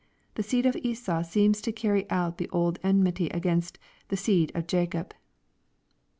The seed of Esau seems to carry on the old enmity against the seed of Jacob.